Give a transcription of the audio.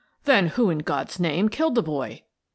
"Then who, in God's name, killed the boy?"